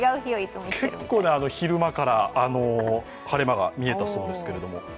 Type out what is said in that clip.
結構昼間から晴れ間が見えたそうですけど。